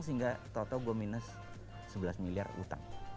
sehingga tau tau gue minus sebelas miliar utang